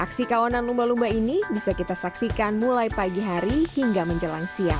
aksi kawanan lumba lumba ini bisa kita saksikan mulai pagi hari hingga menjelang siang